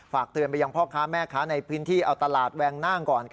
เตือนไปยังพ่อค้าแม่ค้าในพื้นที่เอาตลาดแวงน่างก่อน